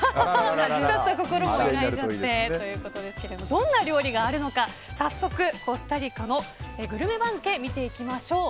ちょっと心も揺らいじゃってということですがどんな料理があるのか早速、コスタリカのグルメ番付を見ていきましょう。